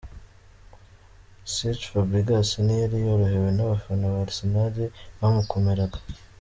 Cesc Fabrigas ntiyari yorohewe na bafana ba Arsenal bamukomeraga.